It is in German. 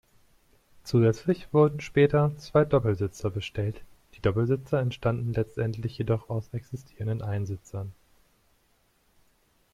Zusätzlich wurden später zwei Doppelsitzer bestellt, die Doppelsitzer entstanden letztendlich jedoch aus existierenden Einsitzern.